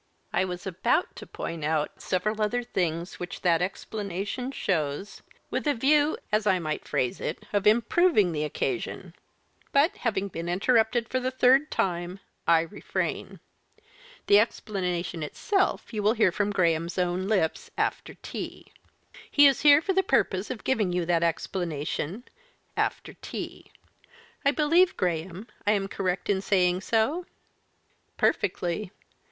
"I was about to point out several other things which that explanation shows, with a view, as I might phrase it, of improving the occasion, but, having been interrupted for the third time, I refrain. The explanation itself you will hear from Graham's own lips after tea. He is here for the purpose of giving you that explanation after tea. I believe, Graham, I am correct in saying so?" "Perfectly.